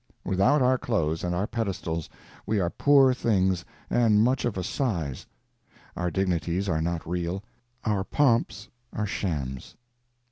Without our clothes and our pedestals we are poor things and much of a size; our dignities are not real, our pomps are shams.